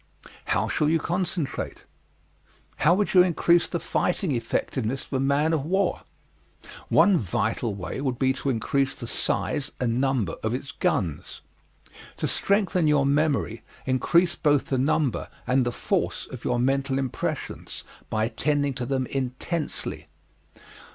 How shall you concentrate? How would you increase the fighting effectiveness of a man of war? One vital way would be to increase the size and number of its guns. To strengthen your memory, increase both the number and the force of your mental impressions by attending to them intensely.